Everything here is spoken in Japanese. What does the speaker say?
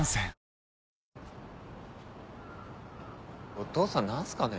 お父さん何すかね？